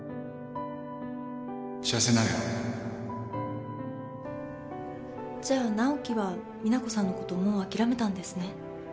幸せになれよじゃ直季は実那子さんのこともう諦めたんですね？